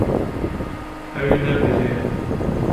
Ew ê nebijêre.